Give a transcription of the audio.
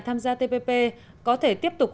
tham gia tpp có thể tiếp tục